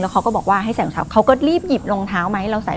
เขาก็บอกว่าให้ใส่รองเท้าเขาก็รีบหยิบรองเท้ามาให้เราใส่